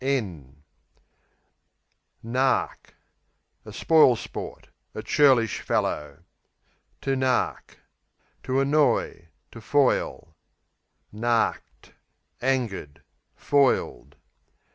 Nark s. A spoil sport; a churlish fellow. Nark, to To annoy; to foil. Narked Angered; foiled.